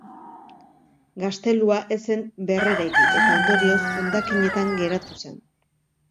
Gaztelua ez zen berreraiki, eta, ondorioz, hondakinetan geratu zen.